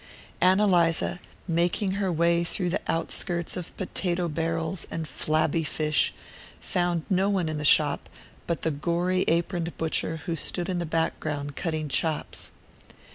Ann Eliza, making her way through the outskirts of potato barrels and flabby fish, found no one in the shop but the gory aproned butcher who stood in the background cutting chops.